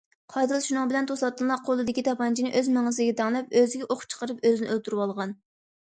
قاتىل شۇنىڭ بىلەن توساتتىنلا قولىدىكى تاپانچىنى ئۆز مېڭىسىگە تەڭلەپ ئۆزىگە ئوق چىقىرىپ ئۆزىنى ئۆلتۈرۈۋالغان.